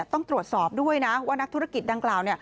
ต้องตรวจสอบด้วยนะว่านักธุรกิจดังกล่าว